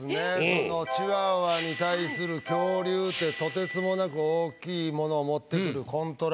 そのチワワに対する恐竜ってとてつもなく大きいもの持ってくるコントラスト